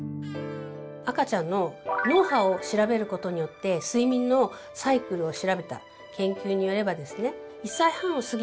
赤ちゃんの脳波を調べることによって睡眠のサイクルを調べた研究によればですね。